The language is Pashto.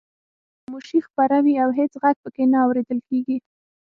خاموشي خپره وي هېڅ غږ پکې نه اورېدل کیږي.